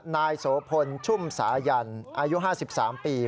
นายโสพลชุ่มสายันอายุ๕๓ปี